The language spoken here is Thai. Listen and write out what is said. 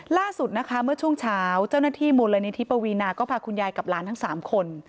ล่าสุดนะคะเมื่อช่วงเช้าเจ้าหน้าที่มูลนิธิปวีนาก็พาคุณยายกับหลานทั้ง๓คน